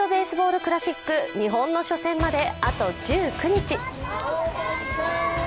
クラシック、日本の初戦まであと１９日。